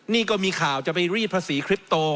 นี่ก็มีข่าวจะไปรีดภาษีคลิปโต